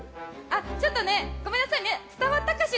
ちょっと、ごめんなさいね伝わったかしら？